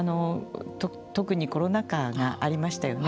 特にコロナ禍がありましたよね。